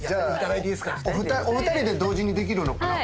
お二人で同時にできるのかな？